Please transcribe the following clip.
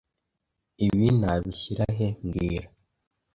Ibi nabishyira he mbwira